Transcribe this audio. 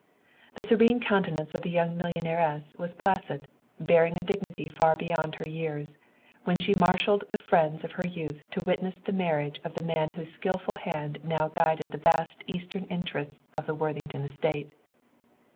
The serene countenance of the young millionairess was placid, bearing a dignity far beyond her years, when she marshalled the friends of her youth to witness the marriage of the man whose skilful hand now guided the vast eastern interests of the Worthington Estate.